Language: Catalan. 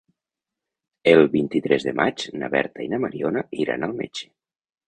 El vint-i-tres de maig na Berta i na Mariona iran al metge.